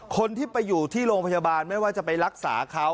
คนที่ไปอยู่ที่โรงพยาบาลไม่ว่าจะไปรักษาเขา